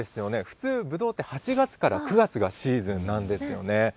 普通、ぶどうって８月から９月がシーズンなんですよね。